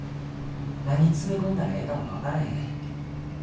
何詰め込んだらええかも分からへん